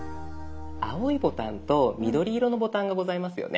青いボタンと緑色のボタンがございますよね。